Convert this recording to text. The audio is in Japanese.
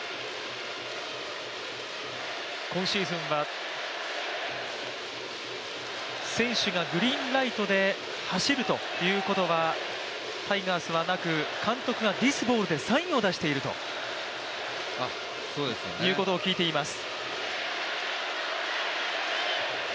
今シーズンは選手が走るということはタイガースはなく、監督がサインを出しているということを聞いています。